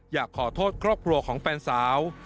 อยากขอโทษครอบครัวของแฟนสาว